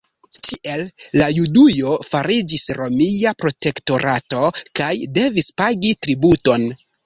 Tiel la Judujo fariĝis romia protektorato kaj devis pagi tributon.